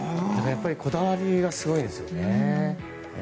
やっぱりこだわりがすごいんですよね。